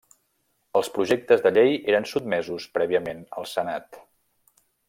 Els projectes de llei eren sotmesos prèviament al Senat.